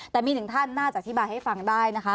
แต่มีหนึ่งท่านน่าจะอธิบายให้ฟังได้นะคะ